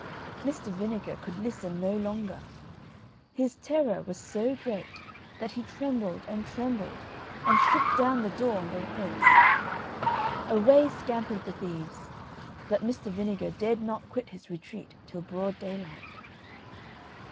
Mr. Vinegar could listen no longer; his terror was so great that he trembled and trembled, and shook down the door on their heads. Away scampered the thieves, but Mr. Vinegar dared not quit his retreat till broad daylight.